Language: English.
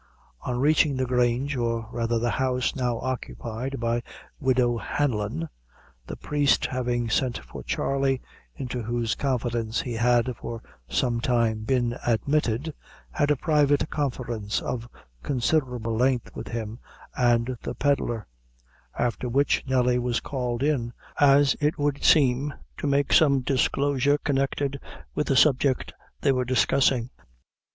On reaching the Grange, or rather the house now occupied by widow Hanlon, the priest having sent for Charley, into whose confidence he had for some time been admitted, had a private conference, of considerable length, with him and the pedlar; after which, Nelly was called in, as it would seem, to make some disclosure connected with the subject they were discussing.